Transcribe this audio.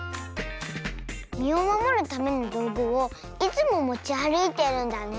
みをまもるためのどうぐをいつももちあるいてるんだね。